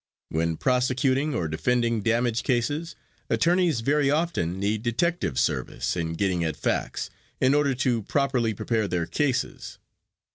When prosecuting or defending damage cases, attorneys very often need detective service in getting at facts, in order to properly prepare their cases.